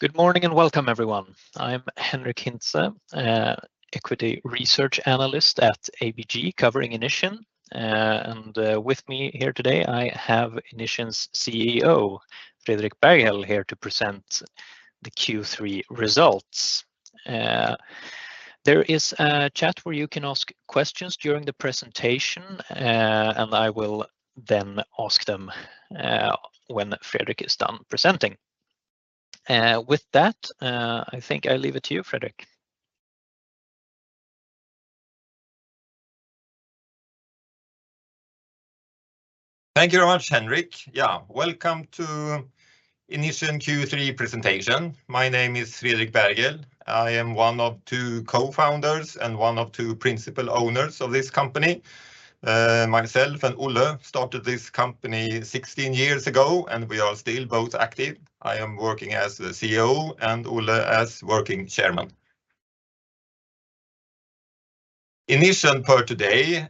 Good morning, and welcome, everyone. I'm Henric Hintze, Equity Research Analyst at ABG, covering Inission. And, with me here today, I have Inission's CEO, Fredrik Berghel, here to present the Q3 results. There is a chat where you can ask questions during the presentation, and I will then ask them, when Fredrik is done presenting. With that, I think I leave it to you, Fredrik. Thank you very much, Henric. Yeah, welcome to Inission Q3 presentation. My name is Fredrik Berghel. I am one of two co-founders and one of two principal owners of this company. Myself and Olle started this company 16 years ago, and we are still both active. I am working as the CEO and Olle as working chairman. Inission per today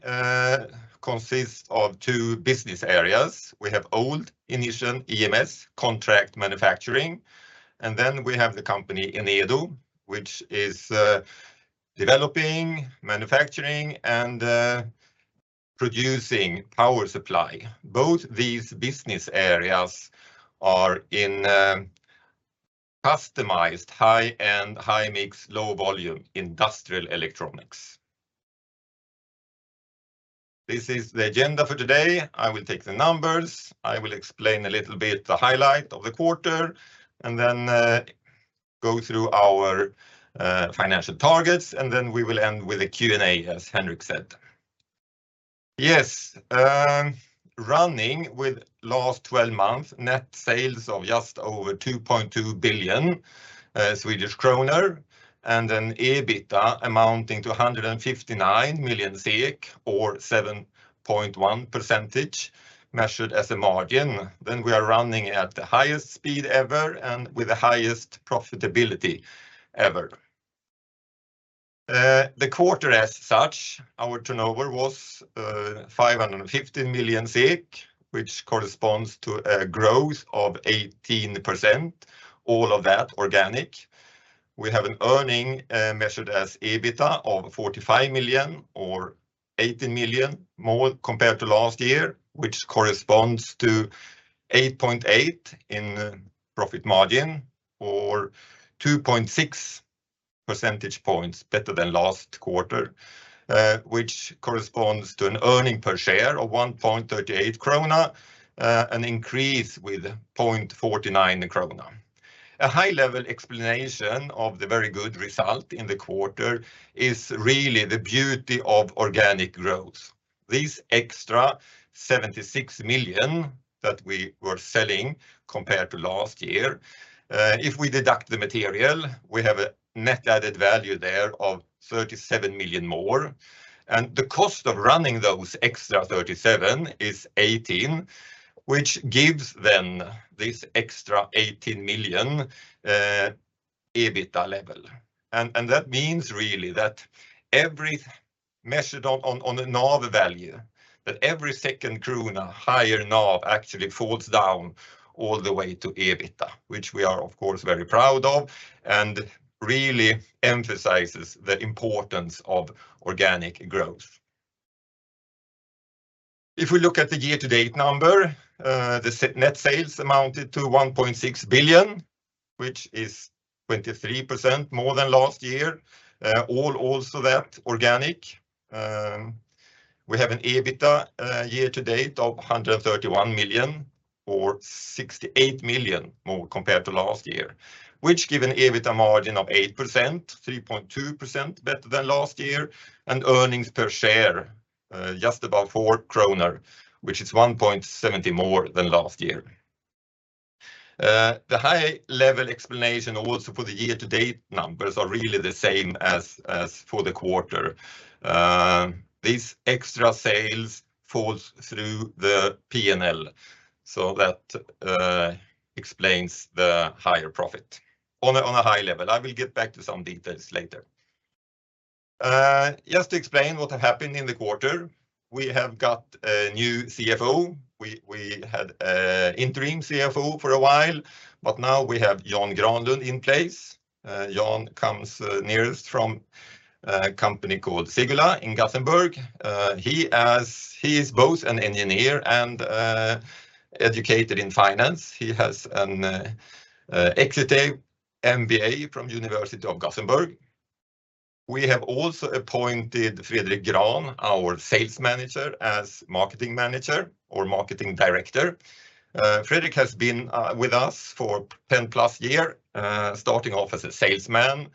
consists of two business areas. We have old Inission EMS contract manufacturing, and then we have the company Enedo, which is developing, manufacturing, and producing power supply. Both these business areas are in customized, high-end, high-mix, low-volume industrial electronics. This is the agenda for today. I will take the numbers. I will explain a little bit the highlight of the quarter, and then go through our financial targets, and then we will end with a Q&A, as Henric said. Yes, running with last 12 months, net sales of just over 2.2 billion Swedish kronor, and an EBITDA amounting to 159 million, or 7.1%, measured as a margin. Then we are running at the highest speed ever and with the highest profitability ever. The quarter, as such, our turnover was 550 million, which corresponds to a growth of 18%, all of that organic. We have an earning, measured as EBITDA of 45 million or 80 million more compared to last year, which corresponds to 8.8% in profit margin or 2.6 percentage points better than last quarter, which corresponds to an earning per share of 1.38 krona, an increase with 0.49 krona. A high-level explanation of the very good result in the quarter is really the beauty of organic growth. These extra 76 million that we were selling compared to last year, if we deduct the material, we have a net added value there of 37 million more, and the cost of running those extra 37 million is 18 million, which gives then this extra 18 million EBITDA level. And, and that means really that every measured on, on, on the NAV value, that every second krona higher NAV actually falls down all the way to EBITDA, which we are, of course, very proud of and really emphasizes the importance of organic growth. If we look at the year-to-date number, the net sales amounted to 1.6 billion, which is 23% more than last year, all, also that, organic. We have an EBITDA year to date of 131 million, or 68 million more compared to last year, which give an EBITDA margin of 8%, 3.2% better than last year, and earnings per share just about 4 kronor, which is 1.70 more than last year. The high-level explanation also for the year-to-date numbers are really the same as for the quarter. These extra sales falls through the P&L, so that explains the higher profit on a high level. I will get back to some details later. Just to explain what happened in the quarter, we have got a new CFO. We had an interim CFO for a while, but now we have John Granlund in place. John comes nearest from a company called Segula in Gothenburg. He is both an engineer and educated in finance. He has an executive MBA from University of Gothenburg. We have also appointed Fredric Grahn, our sales manager, as Marketing Manager or Marketing Director. Fredrik has been with us for 10+ years, starting off as a salesman,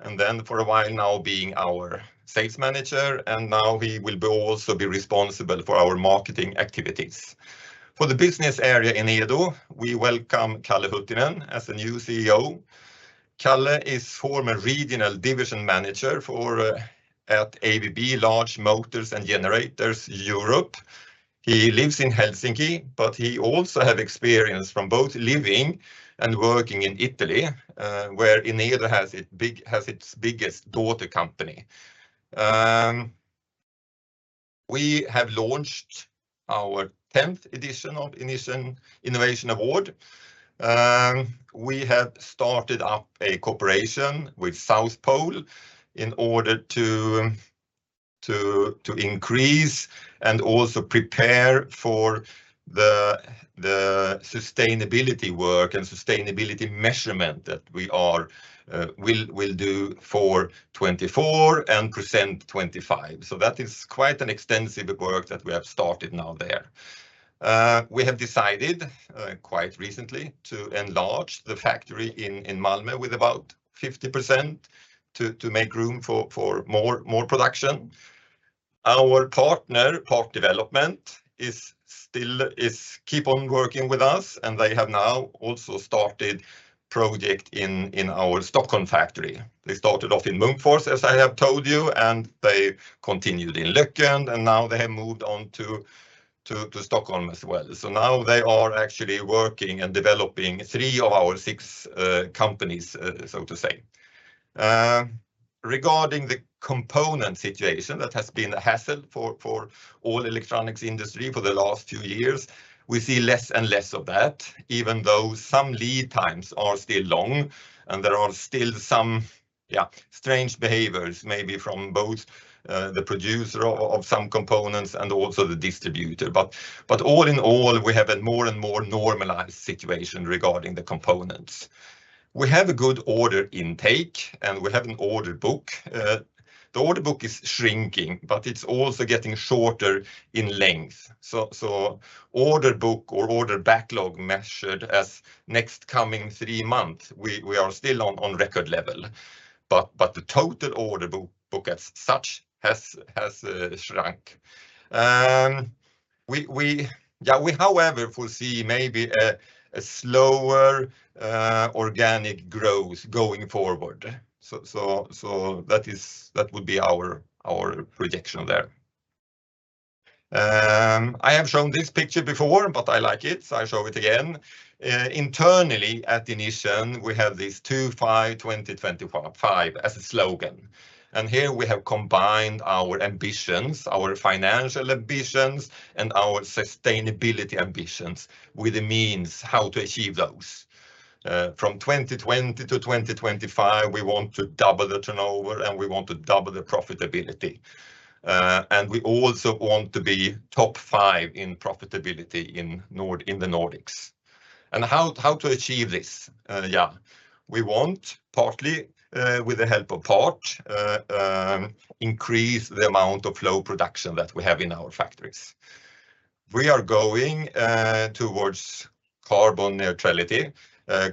and then for a while now being our sales manager, and now he will also be responsible for our marketing activities. For the business area Enedo, we welcome Kalle Huittinen as the new CEO. Kalle is former regional division manager for at ABB Large Motors and Generators Europe. He lives in Helsinki, but he also has experience from both living and working in Italy, where Enedo has its biggest daughter company. We have launched our 10th edition of Inission innovation award. We have started up a cooperation with South Pole in order to increase and also prepare for the sustainability work and sustainability measurement that we are will do for 2024 and present 2025. So that is quite an extensive work that we have started now there. We have decided quite recently to enlarge the factory in Malmö with about 50% to make room for more production. Our partner, Part Development, is still keeping on working with us, and they have now also started project in our Stockholm factory. They started off in Munkfors, as I have told you, and they continued in Løkken, and now they have moved on to Stockholm as well. So now they are actually working and developing three of our six companies, so to say. Regarding the component situation, that has been a hassle for all electronics industry for the last two years. We see less and less of that, even though some lead times are still long, and there are still some, yeah, strange behaviors, maybe from both the producer of some components and also the distributor. But all in all, we have a more and more normalized situation regarding the components. We have a good order intake, and we have an order book. The order book is shrinking, but it's also getting shorter in length. So order book or order backlog measured as next coming three months, we are still on record level, but the total order book as such has shrunk. We, however, foresee maybe a slower organic growth going forward. That is, that would be our projection there. I have shown this picture before, but I like it, so I show it again. Internally at Inission, we have this 2-5,-2025 as a slogan. And here we have combined our ambitions, our financial ambitions, and our sustainability ambitions with the means how to achieve those. From 2020 to 2025, we want to double the turnover, and we want to double the profitability. And we also want to be top five in profitability in the Nordics. And how to achieve this? Yeah. We want, partly, with the help of Part, increase the amount of flow production that we have in our factories. We are going towards carbon neutrality,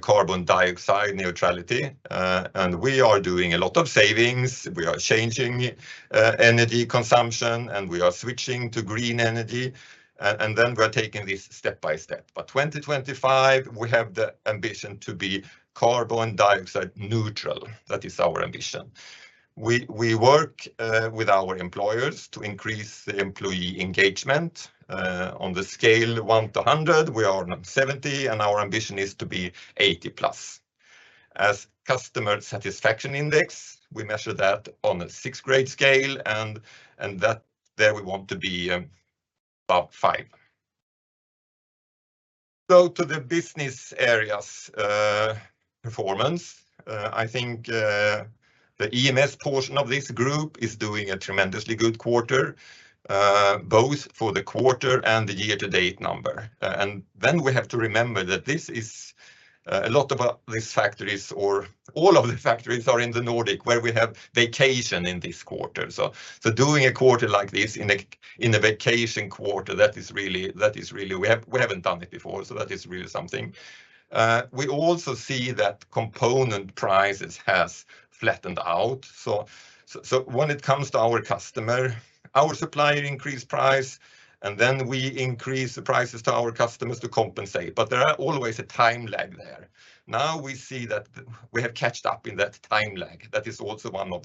carbon dioxide neutrality, and we are doing a lot of savings. We are changing energy consumption, and we are switching to green energy, and then we are taking this step by step. By 2025, we have the ambition to be carbon dioxide neutral. That is our ambition. We work with our employers to increase the employee engagement. On the scale 1-100, we are now 70, and our ambition is to be 80+. As customer satisfaction index, we measure that on a six-grade scale, and that, there we want to be about five. So to the business areas performance, I think the EMS portion of this group is doing a tremendously good quarter, both for the quarter and the year-to-date number. And then we have to remember that this is a lot of these factories or all of the factories are in the Nordics, where we have vacation in this quarter. So doing a quarter like this in a vacation quarter, that is really, that is really... We haven't done it before, so that is really something. We also see that component prices has flattened out. So when it comes to our customer, our supplier increased price, and then we increase the prices to our customers to compensate, but there are always a time lag there. Now, we see that we have caught up in that time lag. That is also one of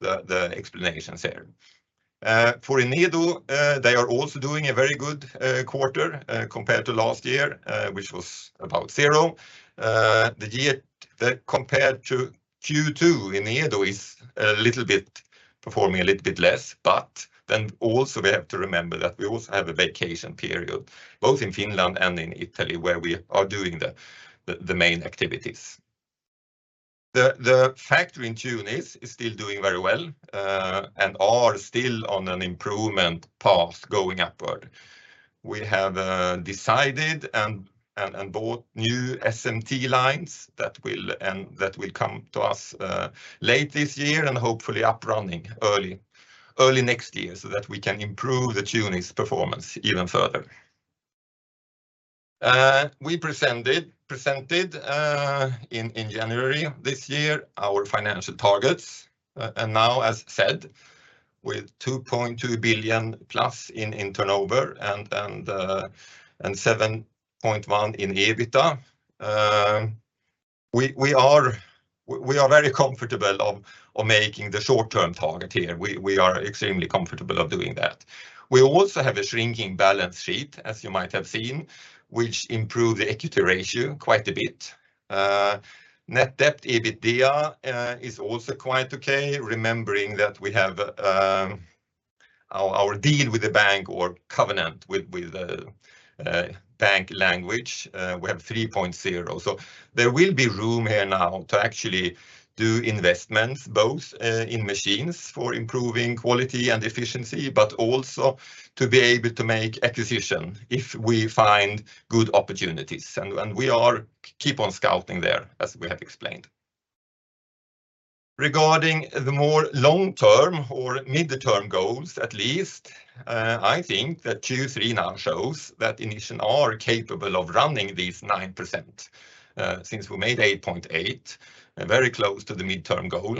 the explanations here. For Enedo, they are also doing a very good quarter compared to last year, which was about zero. The year compared to Q2, Enedo is a little bit performing a little bit less, but then also we have to remember that we also have a vacation period, both in Finland and in Italy, where we are doing the main activities. The factory in Tunis is still doing very well and are still on an improvement path going upward. We have decided and bought new SMT lines that will come to us late this year and hopefully up running early next year, so that we can improve the Tunis performance even further. We presented in January this year our financial targets, and now, as said, with 2.2 billion+ in turnover and 7.1% in EBITDA, we are very comfortable of making the short-term target here. We are extremely comfortable of doing that. We also have a shrinking balance sheet, as you might have seen, which improved the equity ratio quite a bit. Net debt, EBITDA, is also quite okay, remembering that we have our deal with the bank or covenant with bank language, we have 3.0. So there will be room here now to actually do investments, both in machines for improving quality and efficiency, but also to be able to make acquisition if we find good opportunities. We keep on scouting there, as we have explained. Regarding the more long-term or mid-term goals, at least, I think that Q3 now shows that Inission are capable of running these 9%, since we made 8.8%, very close to the midterm goal.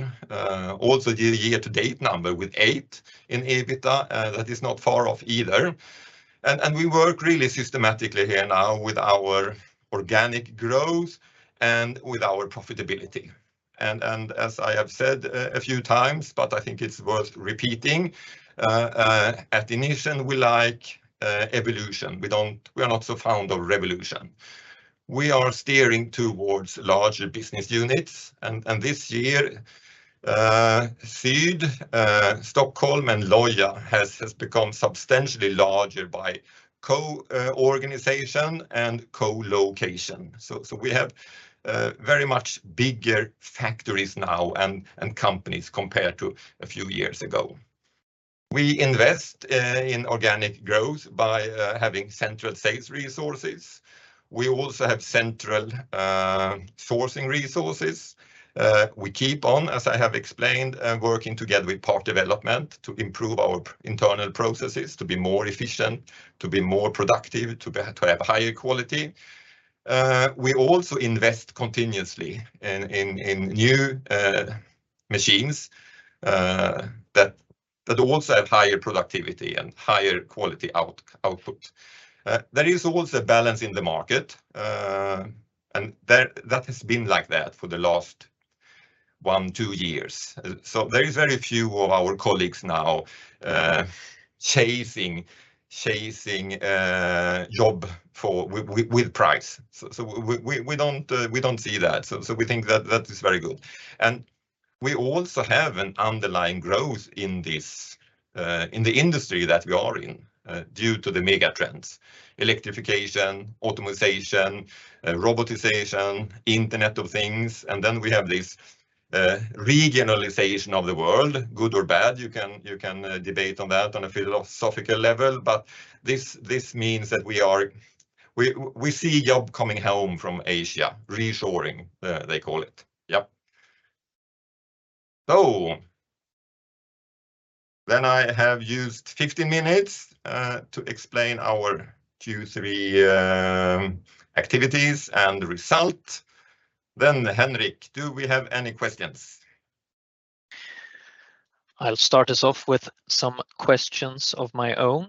Also, the year-to-date number with 8% in EBITDA, that is not far off either. And we work really systematically here now with our organic growth and with our profitability. And as I have said a few times, but I think it's worth repeating, at Inission, we like evolution. We are not so fond of revolution. We are steering towards larger business units, and this year, Syd, Stockholm, and Lohja has become substantially larger by co-organization and co-location. So we have very much bigger factories now and companies compared to a few years ago. We invest in organic growth by having central sales resources. We also have central sourcing resources. We keep on, as I have explained, working together with Part Development to improve our internal processes, to be more efficient, to be more productive, to have higher quality. We also invest continuously in new machines that also have higher productivity and higher quality output. There is also a balance in the market, and that has been like that for the last one, two years. So there is very few of our colleagues now chasing job for with price. So we don't see that, so we think that that is very good. And we also have an underlying growth in this, in the industry that we are in, due to the mega trends: electrification, automation, robotization, Internet of Things, and then we have this, regionalization of the world, good or bad, you can, you can, debate on that on a philosophical level. But this means that we are- we see job coming home from Asia, reshoring, they call it. Yep. So, then I have used 15 minutes to explain our Q3 activities and result. Then, Henric, do we have any questions? I'll start us off with some questions of my own.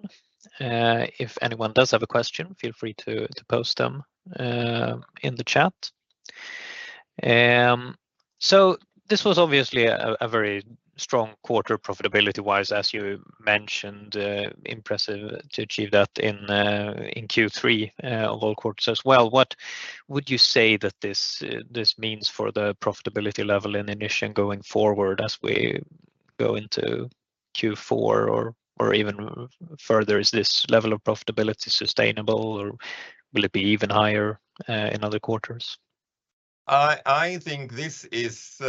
If anyone does have a question, feel free to post them in the chat. So this was obviously a very strong quarter, profitability-wise, as you mentioned. Impressive to achieve that in Q3 of all quarters as well. What would you say that this means for the profitability level in Inission going forward as we go into Q4 or even further? Is this level of profitability sustainable, or will it be even higher in other quarters? I think this is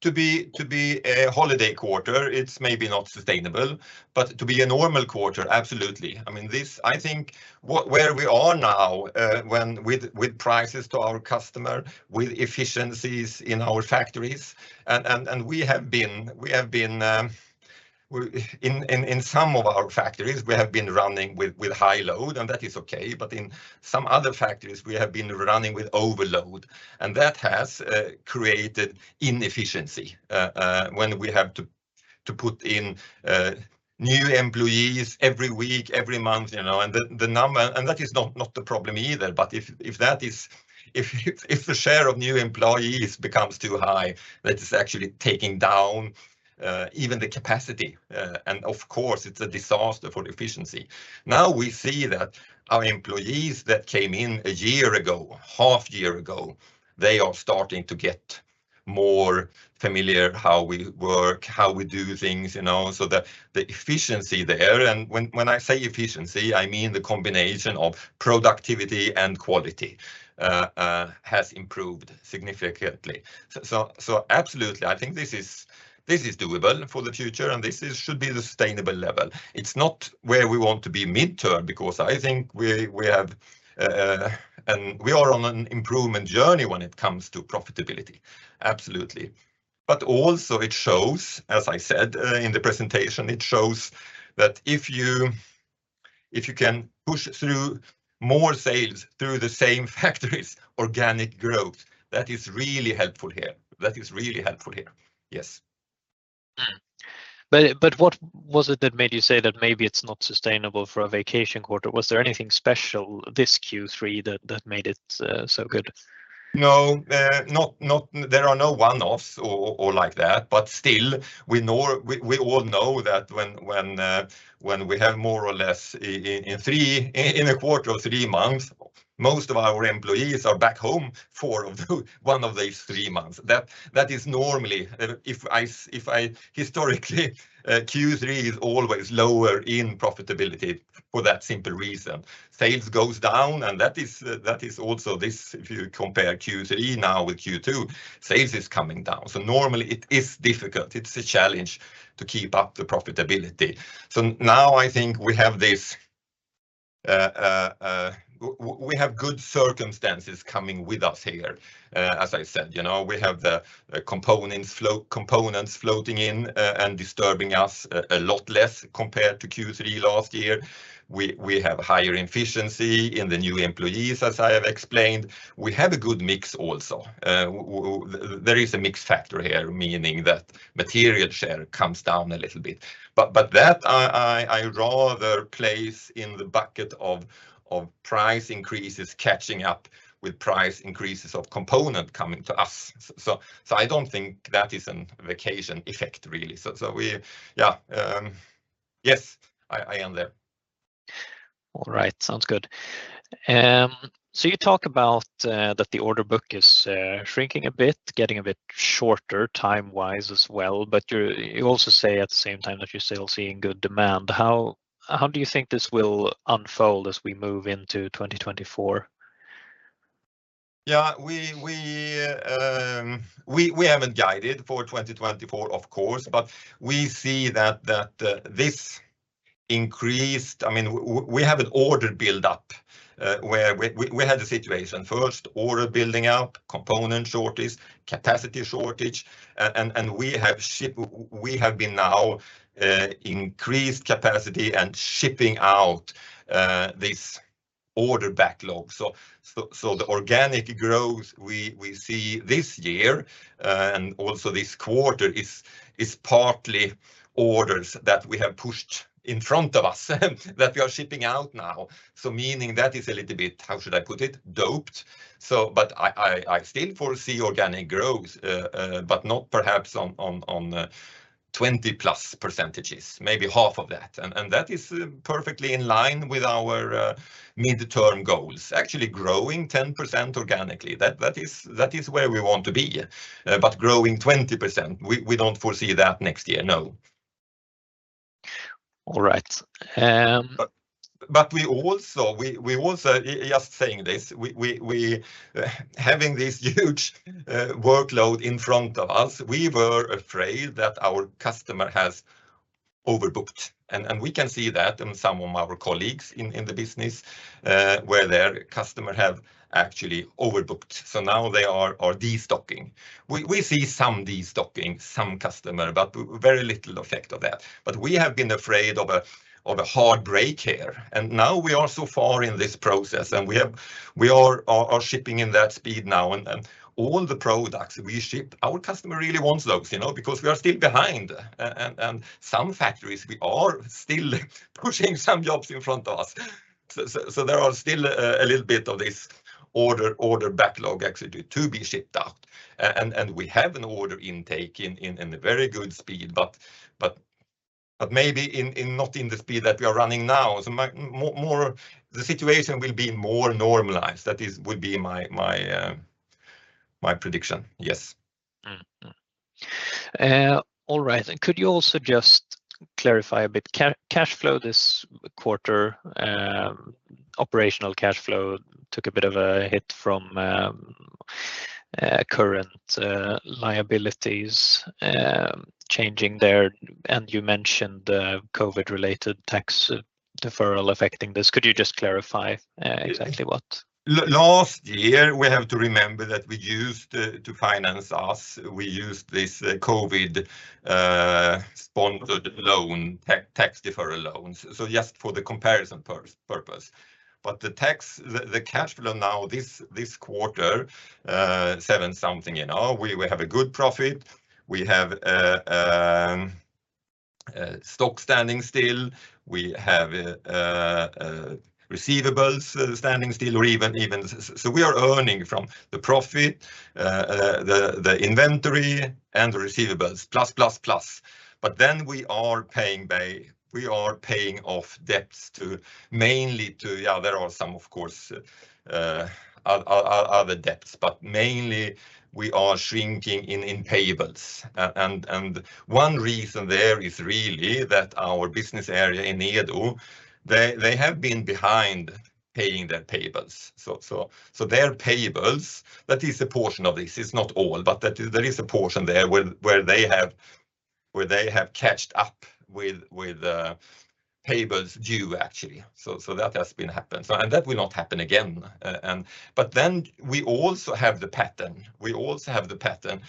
to be a holiday quarter. It's maybe not sustainable, but to be a normal quarter, absolutely. I mean, I think where we are now, when with prices to our customer, with efficiencies in our factories, and we have been in some of our factories. We have been running with high load, and that is okay, but in some other factories, we have been running with overload, and that has created inefficiency. When we have to put in new employees every week, every month, you know, and the number, and that is not the problem either, but if the share of new employees becomes too high, that is actually taking down even the capacity. And of course, it's a disaster for the efficiency. Now, we see that our employees that came in a year ago, half year ago, they are starting to get more familiar how we work, how we do things, you know, so the efficiency there, and when I say efficiency, I mean the combination of productivity and quality, has improved significantly. So absolutely, I think this is doable for the future, and this is should be the sustainable level. It's not where we want to be midterm, because I think we, we have, and we are on an improvement journey when it comes to profitability. Absolutely. But also it shows, as I said, in the presentation, it shows that if you can push through more sales through the same factories, organic growth, that is really helpful here. That is really helpful here. Yes. But what was it that made you say that maybe it's not sustainable for a vacation quarter? Was there anything special this Q3 that made it so good? No, not, there are no one-offs or like that, but still, we know, we all know that when we have more or less in three in a quarter or three months, most of our employees are back home for one of these three months. That is normally, if I historically, Q3 is always lower in profitability for that simple reason. Sales goes down, and that is also this, if you compare Q3 now with Q2, sales is coming down. So normally, it is difficult. It's a challenge to keep up the profitability. So now I think we have this, we have good circumstances coming with us here. As I said, you know, we have the components floating in and disturbing us a lot less compared to Q3 last year. We have higher efficiency in the new employees, as I have explained. We have a good mix also. There is a mix factor here, meaning that material share comes down a little bit. But that I rather place in the bucket of price increases catching up with price increases of component coming to us. So I don't think that is a valuation effect, really. So we, yeah, yes, I am there. All right. Sounds good. So you talk about that the order book is shrinking a bit, getting a bit shorter time-wise as well, but you also say at the same time that you're still seeing good demand. How do you think this will unfold as we move into 2024? Yeah, we haven't guided for 2024, of course, but we see that this increased. I mean, we have an order build-up, where we had a situation. First, order building up, component shortage, capacity shortage, and we have now increased capacity and shipping out this order backlog. So the organic growth we see this year and also this quarter is partly orders that we have pushed in front of us that we are shipping out now. So meaning that is a little bit, how should I put it, doped. So but I still foresee organic growth, but not perhaps on 20+%, maybe half of that. And that is perfectly in line with our midterm goals. Actually growing 10% organically, that, that is, that is where we want to be. But growing 20%, we, we don't foresee that next year, no. All right, But we also, just saying this, we having this huge workload in front of us, we were afraid that our customer has overbooked, and we can see that in some of our colleagues in the business, where their customer have actually overbooked. So now they are destocking. We see some destocking, some customer, but very little effect of that. But we have been afraid of a hard break here, and now we are so far in this process, and we are shipping in that speed now, and all the products we ship, our customer really wants those, you know, because we are still behind. And some factories, we are still pushing some jobs in front of us. So there are still a little bit of this order backlog actually to be shipped out. And we have an order intake in a very good speed, but maybe not in the speed that we are running now. So more... The situation will be more normalized. That is, would be my prediction. Yes. All right, and could you also just clarify a bit, cash flow this quarter, operational cash flow took a bit of a hit from current liabilities changing there, and you mentioned the COVID-related tax deferral affecting this. Could you just clarify exactly what? Last year, we have to remember that we used to finance us, we used this COVID sponsored loan, tax deferral loans. So just for the comparison purpose. But the tax, the cash flow now, this quarter, seven-something in our, we have a good profit. We have a stock standing still. We have a receivables standing still or even, even. So we are earning from the profit, the inventory, and the receivables, plus, plus, plus. But then we are paying back, we are paying off debts to, mainly to, yeah, there are some, of course, other debts, but mainly, we are shrinking in, in payables. And, and one reason there is really that our business area in Enedo, they have been behind paying their payables. So their payables, that is a portion of this. It's not all, but that is—there is a portion there where they have caught up with payables due, actually. So that has been happened, and that will not happen again. But then we also have the pattern. We also have the pattern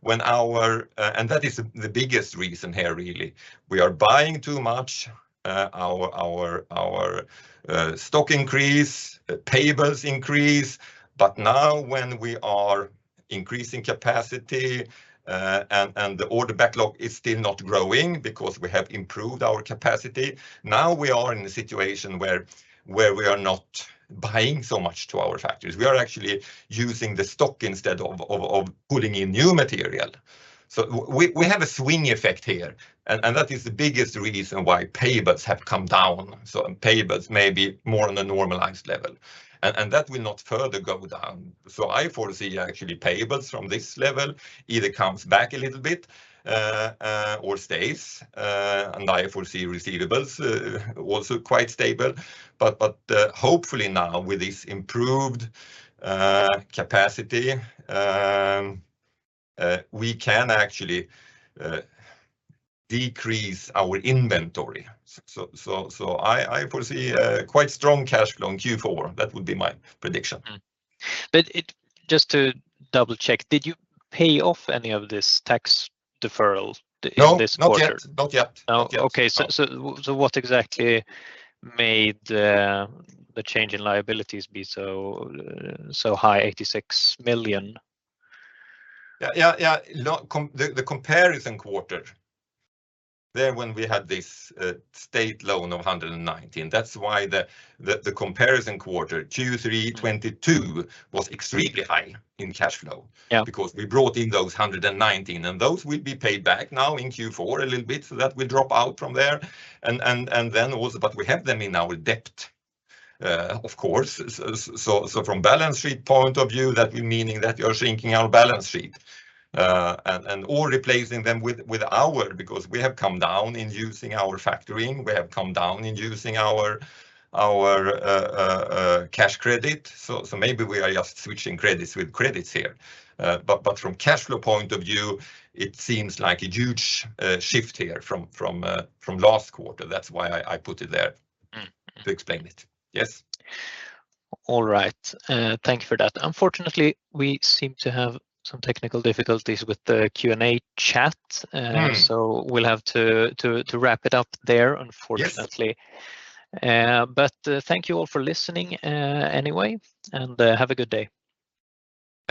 when our, and that is the biggest reason here, really. We are buying too much, our stock increase, payables increase, but now when we are increasing capacity, and the order backlog is still not growing because we have improved our capacity. Now we are in a situation where we are not buying so much to our factories. We are actually using the stock instead of pulling in new material. So we have a swing effect here, and that is the biggest reason why payables have come down. So payables may be more on a normalized level, and that will not further go down. So I foresee actually payables from this level either comes back a little bit, or stays, and I foresee receivables also quite stable. But hopefully now with this improved capacity, we can actually decrease our inventory. So I foresee a quite strong cash flow in Q4. That would be my prediction. But just to double-check, did you pay off any of this tax deferral in this quarter? No, not yet. Not yet. Oh, okay. Not yet. What exactly made the change in liabilities be so high, 86 million? Yeah, yeah, yeah. Look, the comparison quarter, there when we had this state loan of 119 million, that's why the comparison quarter, Q3 2022, was extremely high in cash flow- Yeah... because we brought in those 119 million, and those will be paid back now in Q4 a little bit, so that will drop out from there. And then also, but we have them in our debt, of course. So from balance sheet point of view, that, meaning that we are shrinking our balance sheet, and or replacing them with our because we have come down in using our factoring, we have come down in using our cash credit. So maybe we are just switching credits with credits here. But from cash flow point of view, it seems like a huge shift here from last quarter. That's why I put it there- Mm, mm... to explain it. Yes. All right. Thank you for that. Unfortunately, we seem to have some technical difficulties with the Q&A chat- Mm. So we'll have to wrap it up there, unfortunately. Yes. But, thank you all for listening, anyway, and have a good day.